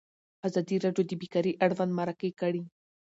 ازادي راډیو د بیکاري اړوند مرکې کړي.